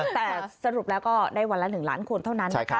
แต่สรุปแล้วก็ได้วันละ๑ล้านคนเท่านั้นนะคะ